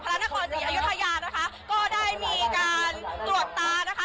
พระนครศรีอยุธยานะคะก็ได้มีการตรวจตานะคะ